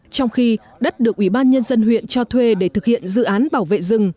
trong khi đất được ủy ban nhân dân huyện cho thuê để thực hiện dự án bảo vệ rừng